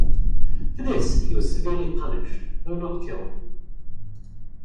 For this he was severely punished, though not killed.